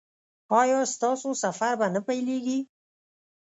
ایا ستاسو سفر به نه پیلیږي؟